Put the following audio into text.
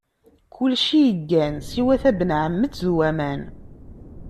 Kulci yeggan siwa tabenɛammet d waman.